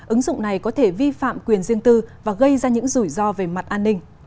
ứng dụng này có thể vi phạm quyền riêng tư và gây ra những rủi ro về mặt an ninh